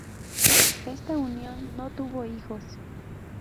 Esta unión no tuvo hijos.